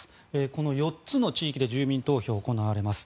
この４つの地域で住民投票が行われます。